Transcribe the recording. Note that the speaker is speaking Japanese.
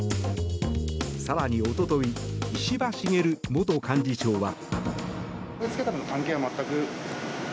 更に、一昨日石破茂元幹事長は。